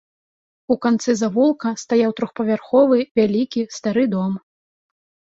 У канцы завулка стаяў трохпавярховы вялікі стары дом.